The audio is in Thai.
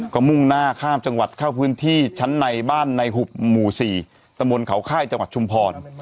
ก็มุ่งหน้าข้ามจังหวัดเข้าพื้นที่ชั้นในบ้านในหุบหมู่๔ตะมนต์เขาค่ายจังหวัดชุมพร